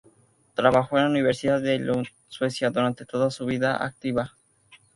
Trabajó en la Universidad de Lund, Suecia, durante toda su vida activa.